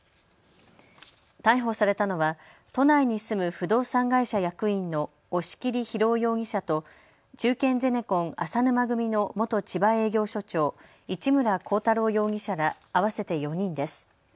逮捕されたのは都内に住む不動産会社役員の押切裕雄容疑者と中堅ゼネコン、淺沼組の元千葉営業所長、市村光太郎容疑者ら合わせて４人です。